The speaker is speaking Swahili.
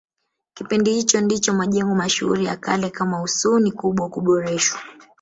Kipindi hicho ndicho majengo mashuhuri ya kale kama Husuni Kubwa kuboreshwa